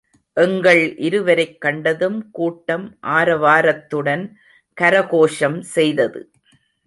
எங்கள் இருவரைக் கண்டதும் கூட்டம் ஆரவாரத்துடன் கரகோஷம் செய்தது.